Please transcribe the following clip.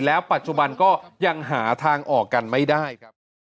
แล้วปัจจุบันก็ยังหาทางออกกันไม่ได้ครับ